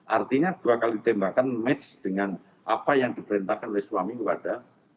artinya dua kali tembakan match dengan apa yang diperintahkan oleh suami kepada